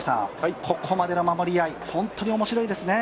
ここまでの守り合い、本当に面白いですね。